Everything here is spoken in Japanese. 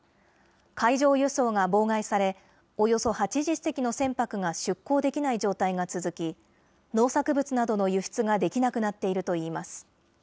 海上輸送が妨害され、およそ８０隻の船舶が出港できない状態が続き、農作物などの輸出ができなくなっているといいます。